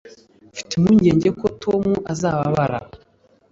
mfite impungenge ko tom azababara